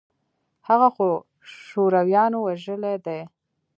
هغه خو شورويانو وژلى دى.